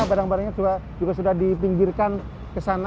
badang badangnya juga sudah dipinggirkan